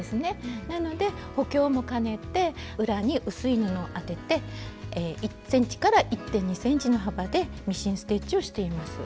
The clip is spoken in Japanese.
なので補強もかねて裏に薄い布を当てて１ｃｍ１．２ｃｍの幅でミシンステッチをしています。